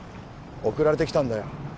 送られてきたんだよ